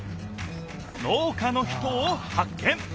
農家の人をはっ見！